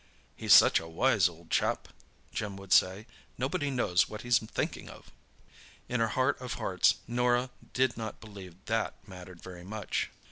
"He's such a wise old chap," Jim would say; "nobody knows what he's thinking of!" In her heart of hearts Norah did not believe that mattered very much.